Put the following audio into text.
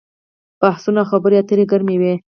بحثونه او خبرې اترې ګرمې وي.